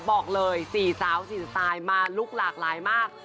บอกเลย๔สาว๔สไตล์มาลุคหลากหลายมาก